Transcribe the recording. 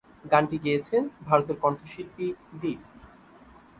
গানটি গেয়েছেন ভারতের কণ্ঠশিল্পী দীপ।